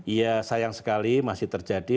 iya sayang sekali masih terjadi